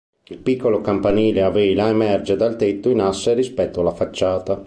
Il piccolo campanile "a vela" emerge dal tetto in asse rispetto alla facciata.